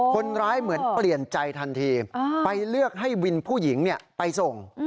เหมือนเปลี่ยนใจทันทีไปเลือกให้วินผู้หญิงไปส่ง